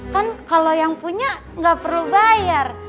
kan kalau yang punya nggak perlu bayar